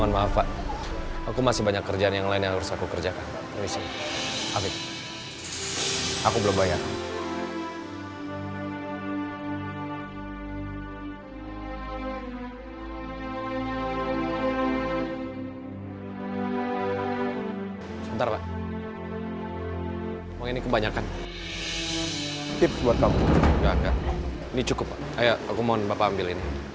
mama sama karina gak usah khawatir